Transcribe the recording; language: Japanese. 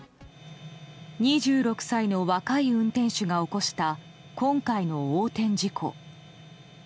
２６歳の若い運転手が起こした今回の横転事故。